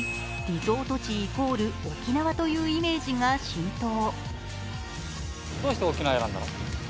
リゾート地＝沖縄というイメージが浸透。